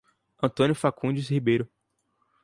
Antônio Facundes Ribeiro